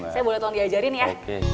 saya boleh tolong diajarin ya